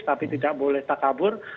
tapi tidak boleh takabur